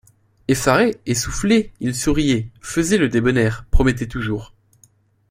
Effaré, essoufflé, il souriait, faisait le débonnaire, promettait toujours.